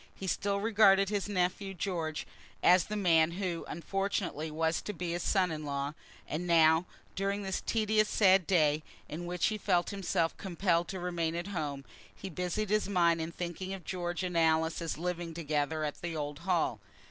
He still regarded his nephew George as the man who, unfortunately, was to be his son in law, and now, during this tedious sad day, in which he felt himself compelled to remain at home, he busied his mind in thinking of George and Alice, as living together at the old Hall.